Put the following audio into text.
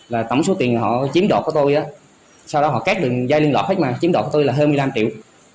là tổng số tiền họ chiếm đột của tôi sau đó họ kết đường dây liên lọc hết mà chiếm đột của tôi là hơn một mươi năm triệu